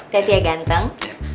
tete ya ganteng